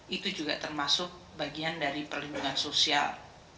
itu juga termasuk bagian dari perlindungan sosial